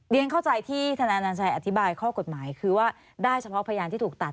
เข้าใจที่ธนาชัยอธิบายข้อกฎหมายคือว่าได้เฉพาะพยานที่ถูกตัด